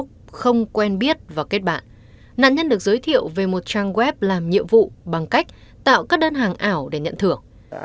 xong từ lúc đó thì mình đến mình báo công an luôn